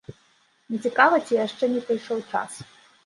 Нецікава ці яшчэ не прыйшоў час?